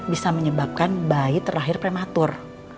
bisa menyebabkan bayi terlahir prematur